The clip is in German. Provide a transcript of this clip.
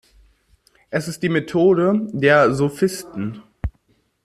Es ist die Methode der Sophisten.